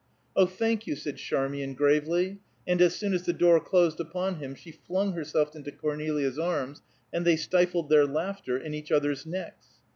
"Oh, thank you," said Charmian, gravely, and as soon as the door closed upon him she flung herself into Cornelia's arms, and they stifled their laughter in each other's necks.